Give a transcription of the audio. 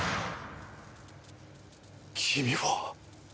君は！